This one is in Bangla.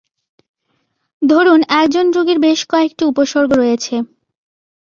ধরুন একজন রোগীর বেশ কয়েকটি উপসর্গ রয়েছে।